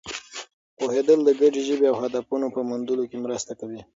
پوهېدل د ګډې ژبې او هدفونو په موندلو کې مرسته کوي.